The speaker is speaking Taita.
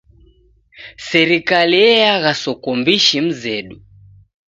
Serikali eagha soko mbishi mzedu.